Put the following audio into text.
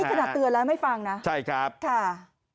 นี่ขนาดเตือนแล้วไม่ฟังนะค่ะ